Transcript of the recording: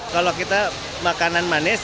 kalau kita makanan manis